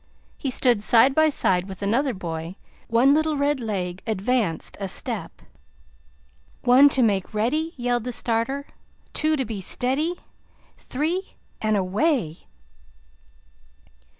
He stood side by side with another boy, one little red leg advanced a step. "One, to make ready!" yelled the starter. "Two, to be steady. Three and away!"